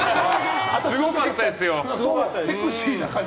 すごかったですよ。